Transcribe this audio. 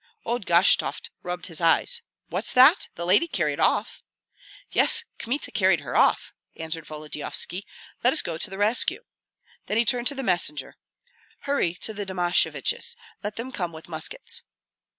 Old Gashtovt rubbed his eyes. "What's that? The lady carried off?" "Yes; Kmita carried her off," answered Volodyovski. "Let us go to the rescue!" Then he turned to the messenger: "Hurry to the Domasheviches; let them come with muskets."